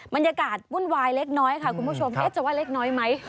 บรรยากาศวุ่นวายเล็กน้อยค่ะคุณผู้ชมจะว่าเล็กน้อยไหม